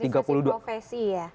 organisasi profesi ya